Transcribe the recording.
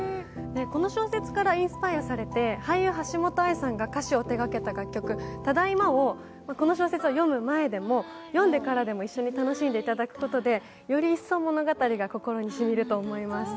この小説からインスパイアされて俳優の橋本愛さんが歌詞を手がけた楽曲「ただいま」を読む前でも、読んでからでも一緒に楽しんでいただくことで、より一層、物語が心にしみると思います。